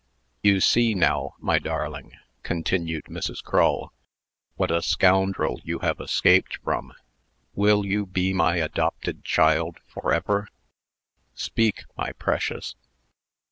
"You see, now, my darling," continued Mrs. Crull, "what a scoundrel you have escaped from. Will you be my adopted child forever? Speak, my precious!"